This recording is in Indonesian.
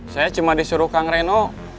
saya cuma disuruh kang reno